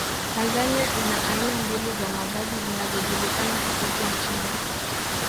Tanzania ina aina mbili za mavazi zinazojulikana kokote nchini